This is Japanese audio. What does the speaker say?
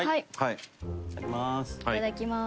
いただきます。